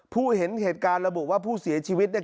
ผู้เห็นเหตุการณ์ระบุว่าผู้เสียชีวิตเนี่ย